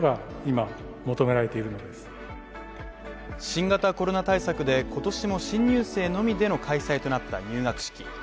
新型コロナ対策で今年も新入生のみでの開催となった入学式。